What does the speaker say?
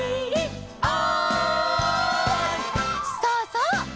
そうそう！